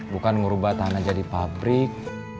bukan merubah tanah jadi pabrik